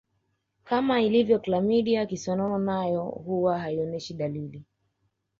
Kama ilivyo klamidia kisonono nayo huwa haionyeshi dalili